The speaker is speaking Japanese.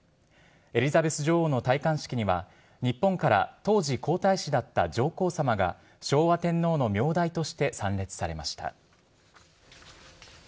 エリザベス女王の戴冠式には日本から当時、皇太子だった上皇さまが昭和天皇の名代として参列されました。